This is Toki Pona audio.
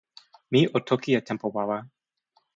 mi o toki e tenpo wawa.